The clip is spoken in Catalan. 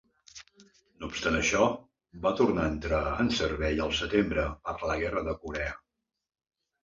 No obstant això, va tornar a entrar en servei al setembre per la guerra de Corea.